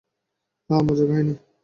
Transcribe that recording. আহ, মজার কাহিনী।